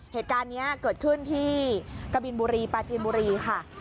เหตุการณ์นี้เกิดขึ้นที่กะบินบุรีปาจีนบุรีค่ะ